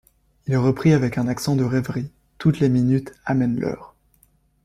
Il reprit avec un accent de rêverie: — Toutes les minutes amènent l’heure.